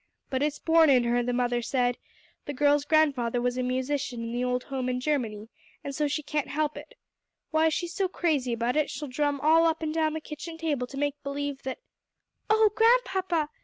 But it's born in her, the mother said; the girl's grandfather was a musician in the old home in Germany, and so she can't help it. Why, she's just so crazy about it, she'll drum all up and down the kitchen table to make believe that " "Oh Grandpapa!"